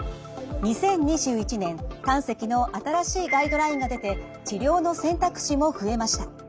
２０２１年胆石の新しいガイドラインが出て治療の選択肢も増えました。